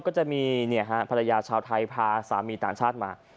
ก็จะมีภรรยาชาวไทยพาสามีต่างชาติมา